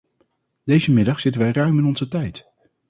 Deze middag zitten wij ruim in onze tijd.